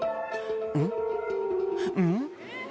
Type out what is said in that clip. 「うん？うん？」